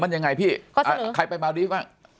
ยังไงพี่ใครไปมาดีบ้าง